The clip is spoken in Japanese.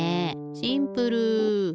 シンプル！